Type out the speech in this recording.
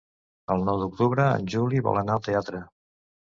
El nou d'octubre en Juli vol anar al teatre.